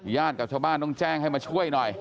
กับชาวบ้านต้องแจ้งให้มาช่วยหน่อย